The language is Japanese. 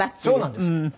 そうなんです。